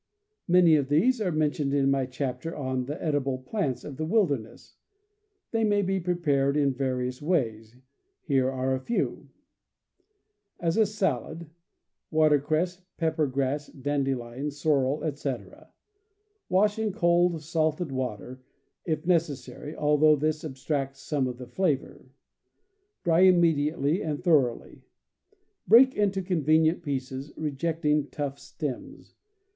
Many of these are mentioned in my chapter on The Edible Plants of the Wilderness. They may be pre pared in various ways; here are a few: As a salad (watercress, peppergrass, dandelion, sorrel, etc.): wash in cold salted water, if necessary, although this abstracts some of the flavor; dry im mediately and thoroughly. Break into convenient pieces, rejecting tough stems.